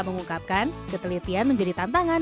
mengungkapkan ketelitian menjadi tantangan